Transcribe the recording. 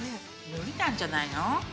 無理なんじゃないの。